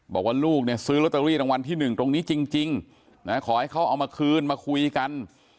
บอกว่าลูกเนี่ยซื้อลอตเตอรี่รางวัลที่๑ตรงนี้จริงนะขอให้เขาเอามาคืนมาคุยกัน